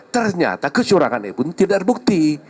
ternyata kecurangannya pun tidak ada bukti